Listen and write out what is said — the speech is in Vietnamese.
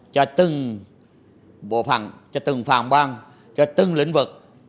cho từng bộ phòng cho từng phòng ban cho từng lĩnh vực